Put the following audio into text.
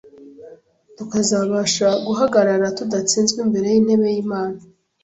tukazabasha guhagarara tudatsinzwe imbere y’intebe y’Imana.